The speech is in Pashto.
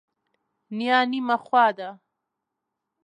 نیا نیمه خوا ده.